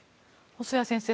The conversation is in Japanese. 細谷先生